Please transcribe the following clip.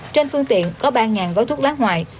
trên phương tiện có ba gói thuốc lá ngoại